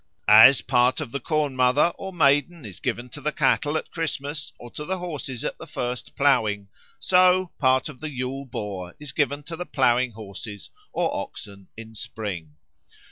As part of the Corn mother or Maiden is given to the cattle at Christmas or to the horses at the first ploughing, so part of the Yule Boar is given to the ploughing horses or oxen in spring.